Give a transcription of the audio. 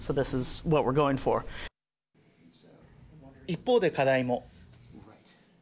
一方で課題も。